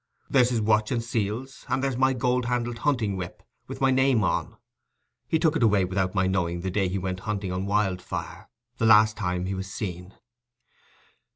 There's his watch and seals, and there's my gold handled hunting whip, with my name on: he took it away, without my knowing, the day he went hunting on Wildfire, the last time he was seen."